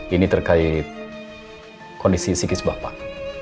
ini terkait kondisi psikis bapak